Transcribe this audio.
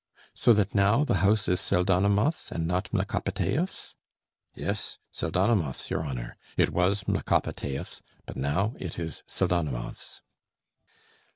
"So that now the house is Pseldonimov's and not Mlekopitaev's?" "Yes, Pseldonimov's, your Honour. It was Mlekopitaev's, but now it is Pseldonimov's."